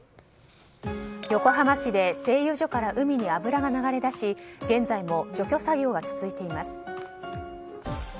横浜市で製油所から海に油が流れ出し現在も除去作業が続いています。